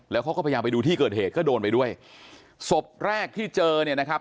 แล้วเขาก็พยายามไปดูที่เกิดเหตุก็โดนไปด้วยศพแรกที่เจอเนี่ยนะครับ